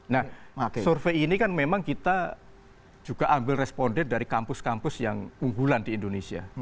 nah survei ini kan memang kita juga ambil responden dari kampus kampus yang unggulan di indonesia